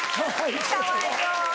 かわいそう。